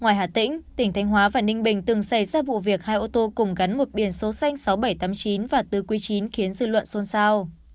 ngoài hà tĩnh tỉnh thanh hóa và ninh bình từng xây ra vụ việc hai ô tô cùng gắn một biển số xanh sáu nghìn bảy trăm tám mươi chín và bốn q chín khiến dư luận xôn xao